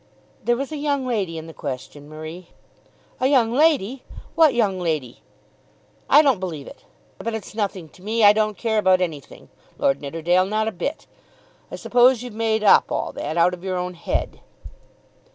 "There was a young lady in the question, Marie." "A young lady! What young lady? I don't believe it. But it's nothing to me. I don't care about anything, Lord Nidderdale; not a bit. I suppose you've made up all that out of your own head."